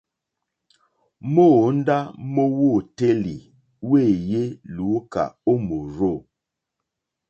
Móǒndá mówǒtélì wéèyé lùúkà ó mòrzô.